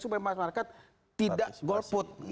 supaya masyarakat tidak golput